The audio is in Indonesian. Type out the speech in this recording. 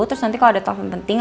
terus nanti kalo ada telfon penting